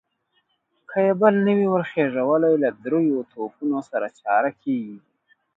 که يې بل نه وي ور خېژولی، له درېيو توپونو سره چاره کېږي.